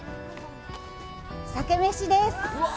鮭めしです。